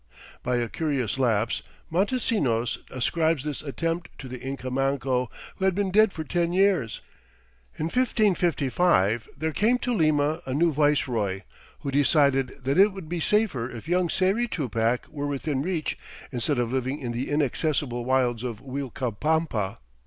By a curious lapse Montesinos ascribes this attempt to the Inca Manco, who had been dead for ten years. In 1555 there came to Lima a new viceroy, who decided that it would be safer if young Sayri Tupac were within reach instead of living in the inaccessible wilds of Uilcapampa.